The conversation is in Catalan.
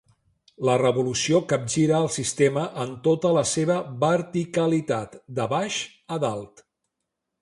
La revolució capgira el sistema en tota la seva verticalitat, de baix a dalt.